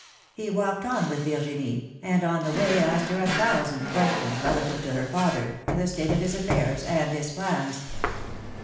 He walked on with Virginie, and on the way asked her a thousand questions relative to her father, to the state of his affairs, and his plans.